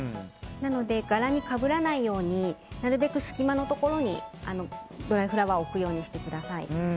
なので、柄に被らないようになるべく隙間のところにドライフラワーを置くようにしてください。